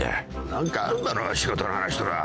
何かあるだろ仕事の話とか。